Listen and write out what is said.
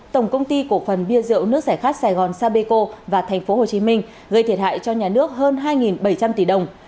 tổng công ty cổ phần bia rượu nước giải khát sài gòn sapeco và tp hcm gây thiệt hại cho nhà nước hơn hai bảy trăm linh tỷ đồng